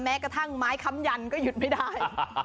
แม้กระทั่งไม้ค้ำยันก็หยุดไม่ได้